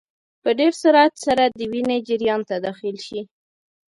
په ډېر سرعت سره د وینې جریان ته داخل شي.